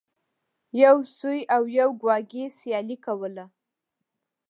یو سوی او یو کواګې سیالي کوله.